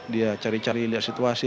dia cari cari lihat situasi